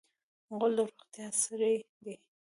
غول د روغتیا سړی دی.